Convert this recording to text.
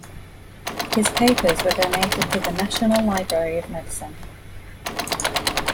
His papers were donated to the National Library of Medicine.